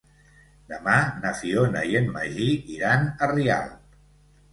Demà na Fiona i en Magí iran a Rialp.